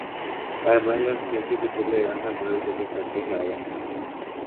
Además de yacimientos de petróleo y de gas natural tiene fuentes de agua mineral.